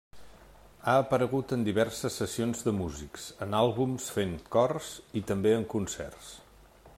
Ha aparegut en diverses sessions de músics, en àlbums fent cors i també en concerts.